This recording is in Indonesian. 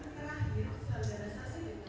dari pihak b dua